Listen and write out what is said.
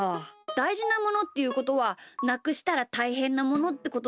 だいじなものっていうことはなくしたらたいへんなものってことだよな。